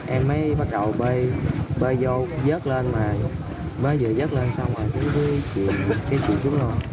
em mới bắt đầu bơi bơi vô dớt lên mà mới vừa dớt lên xong rồi cứ kìm cái chú chú lô